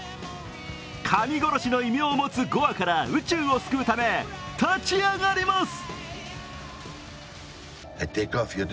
神殺しの異名を持つゴアから宇宙を救うため立ち上がります。